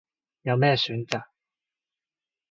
有咩選擇